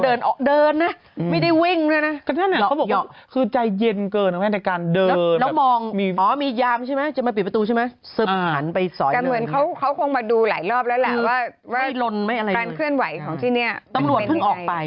ไม่ลนไม่อะไรเลยตอนเคลื่อนไหวของที่นี่มันเป็นยังไงต้องรวดเพิ่งออกไป